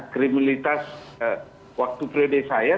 kriminalitas waktu prioritas saya